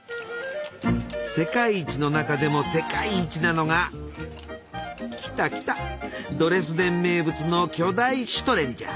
世界一の中でも世界一なのがきたきたドレスデン名物の巨大シュトレンじゃ！